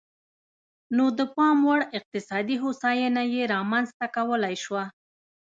نو د پاموړ اقتصادي هوساینه یې رامنځته کولای شوه.